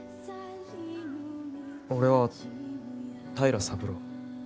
俺は平良三郎。